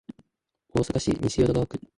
大阪市西淀川区